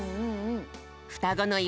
ふたごのい